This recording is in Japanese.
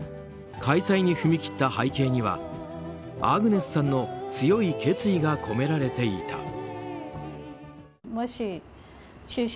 開催に踏み切った背景にはアグネスさんの強い決意が込められていた。